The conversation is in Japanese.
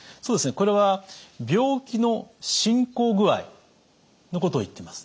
これは病気の進行具合のことを言っています。